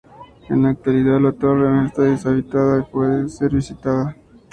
En la actualidad la torre no está deshabitada, y puede ser visitada.